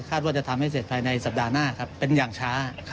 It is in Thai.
ว่าจะทำให้เสร็จภายในสัปดาห์หน้าครับเป็นอย่างช้า